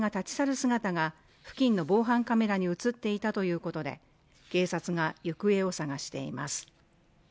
姿が付近の防犯カメラに映っていたということで警察が行方を捜しています